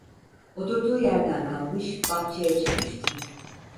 Oturduğu yerden kalkmış bahçeye çıkmıştı.